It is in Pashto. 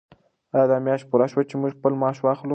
آیا میاشت پوره شوه چې موږ خپل معاش واخلو؟